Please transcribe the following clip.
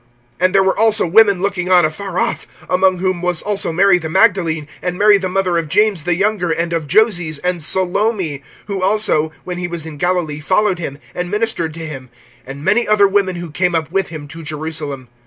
(40)And there were also women looking on afar off; among whom was also Mary the Magdalene, and Mary the mother of James the younger and of Joses, and Salome; (41)who also, when he was in Galilee, followed him, and ministered to him; and many other women who came up with him to Jerusalem.